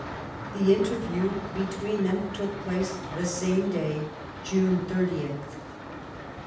The interview between them took place the same day (June 30th).